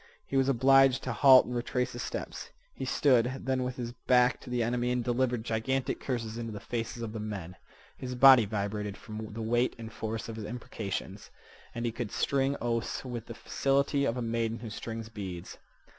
He was obliged to halt and retrace his steps. He stood then with his back to the enemy and delivered gigantic curses into the faces of the men. His body vibrated from the weight and force of his imprecations. And he could string oaths with the facility of a maiden who strings beads.